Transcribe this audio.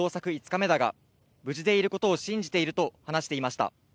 ５日目だが無事でいることを信じていると話していました。